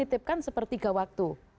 kita dititipkan sepertiga waktu